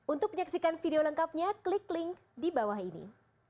untuk menyaksikan video lengkapnya klik link di bawah ini